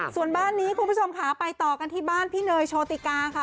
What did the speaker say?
ส่วนบ้านนี้คุณผู้ชมค่ะไปต่อกันที่บ้านพี่เนยโชติกาค่ะ